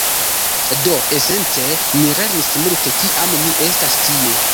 Do, esence, mi lernis multe kiam mi estas tie